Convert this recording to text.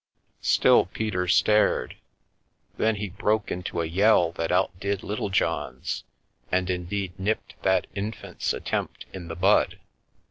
Still Peter stared — then he broke into a yell that out did Little John's, and, indeed, nipped that infant's at tempt in the bud.